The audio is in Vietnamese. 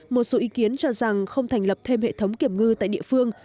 một số ý kiến cho rằng không thành lập thêm hệ thống kiểm ngư tại địa phương